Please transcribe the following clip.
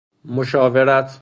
مشاورت